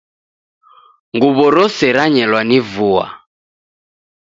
Nguw'o rose ranyelwa ni vua.